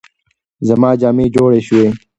زما جامې جوړې شوې؟